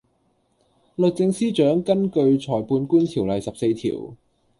律政司長根據裁判官條例十四條